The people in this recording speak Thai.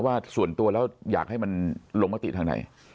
ว่าส่วนตัวแล้วอยากให้มันลงมติทางไหน